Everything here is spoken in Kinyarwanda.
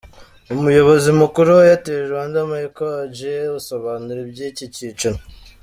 Umuyobozi mukuru wa Airtel Rwanda, Micheal Adjei asobanura iby'iki cyiciro.